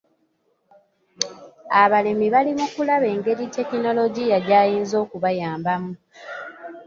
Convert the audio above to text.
Abalimi bali mu kulaba engeri tekinologiya gy'ayinza okubayambamu.